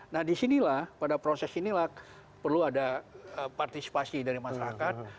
nah di sini lah pada proses ini lah perlu ada partisipasi dari masyarakat